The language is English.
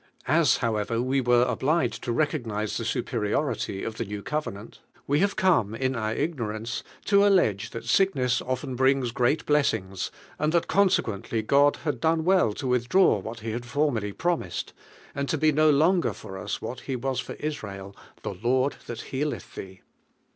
As, however, we were obliged to recognise the supe riority of the New Covenant, we have <■, in our ignorance, to allege that sickness often brings great blessings, and that consequently God had done well 128 DIVINE ILEALINO. to withdraw what TTc had formerly prom ised, and to be no longer for us what He was for Israel, "The Lord tint healeth thee."